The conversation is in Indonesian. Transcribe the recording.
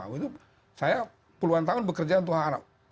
menurut saya puluhan tahun bekerja untuk anak anak